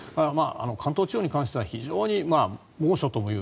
関東地方に関しては非常に猛暑ともいう。